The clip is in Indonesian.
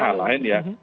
hal lain ya